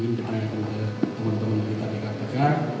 ditanyakan oleh teman teman kita di kpk